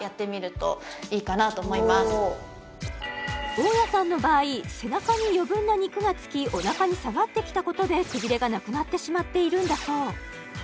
大家さんの場合背中に余分な肉がつきお腹に下がってきたことでくびれがなくなってしまっているんだそう